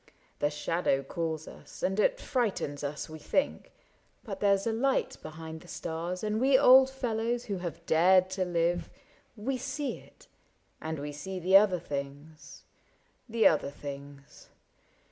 The shadow calls us, and it frightens us — We think ; but there *s a light behind the stars And we old fellows who have dared to live. We see it — and we see the other things, The other things.